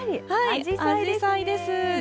アジサイですね。